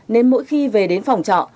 nên mỗi khi về đến phòng trọ